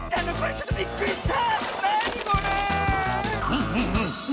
ちょっとびっくりした！